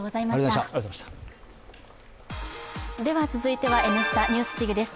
続いては「Ｎスタ・ＮＥＷＳＤＩＧ」です。